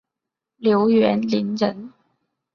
刘元霖人。